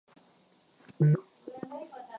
Nguo zimeletwa.